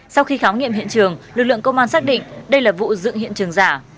sau khi khám nghiệm hiện trường lực lượng công an xác định đây là vụ dựng hiện trường giả